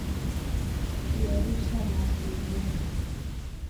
Bi arusi amewasili vyema.